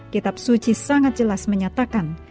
kitab suci sangat jelas menyatakan